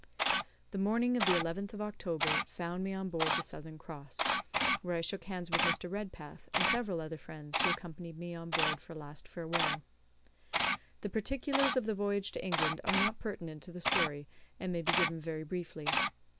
The morning of the 11th of October found me on board the Southern Cross, where I shook hands with Mr. Redpath and several other friends who accompanied me on board for a last farewell. The particulars of the voyage to England are not pertinent to the story, and may be given very briefly.